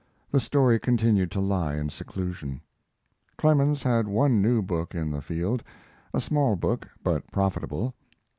The story continued to lie in seclusion. Clemens had one new book in the field a small book, but profitable.